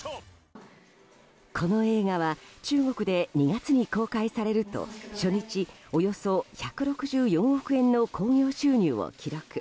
この映画は中国で２月に公開されると初日およそ１６４億円の興行収入を記録。